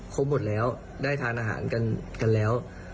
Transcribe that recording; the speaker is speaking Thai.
ครบหมดแล้วได้ทานอาหารกันแล้ว